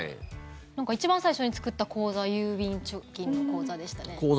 一番最初に作った口座郵便貯金の口座でしたね。